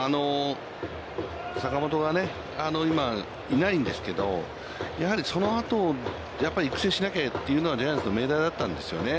坂本が、今いないんですけど、やはりそのあとを育成しなきゃというのがジャイアンツの命題だったんですよね。